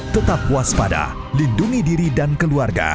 tetap waspada lindungi diri dan keluarga